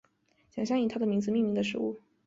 奖项以他的名字命名的事物